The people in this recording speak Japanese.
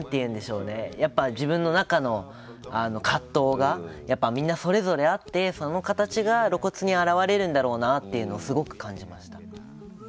自分の中の葛藤がみんなそれぞれあってその形が露骨に表れるんだろうなとすごく感じました。